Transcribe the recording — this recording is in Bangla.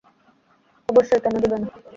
অবশ্যই, কেন দিবে না?